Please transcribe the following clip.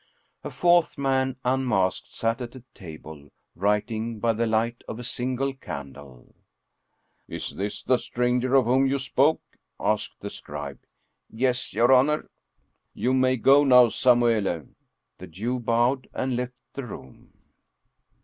A fourth man, unmasked, sat at a table, writing by the light of a single candle. "Is this the stranger of whom you spoke?" asked the scribe. " Yes, your honor." " You may go now, Samuele." The Jew bowed and left the room.